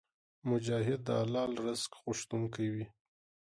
مجاهد د حلال رزق غوښتونکی وي.